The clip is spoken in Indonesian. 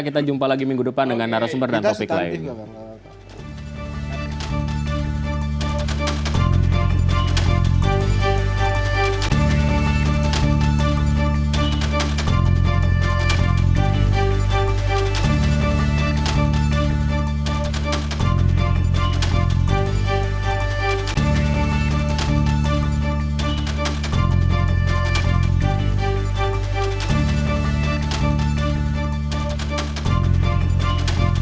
kita jumpa lagi minggu depan dengan narasumber dan topik lain